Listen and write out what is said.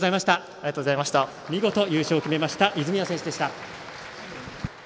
見事、優勝を決めました泉谷選手でした。